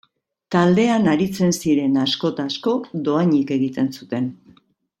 Taldean aritzen ziren asko ta asko dohainik egiten zuren.